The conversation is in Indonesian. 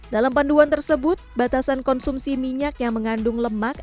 dalam panduan tersebut batasan konsumsi minyak yang mengandung lemak